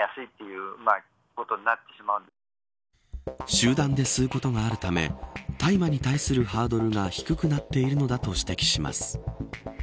集団で吸うことがあるため大麻に対するハードルが低くなっているのだと指摘します。